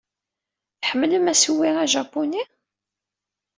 Tḥemmlem assewwi ajapuni?